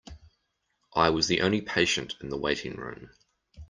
I was the only patient in the waiting room.